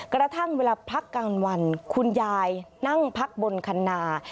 กระทั่งเวลาพักกลางวันคุณยายนั่งพักบนคันนา